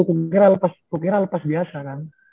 kukira lepas biasa kan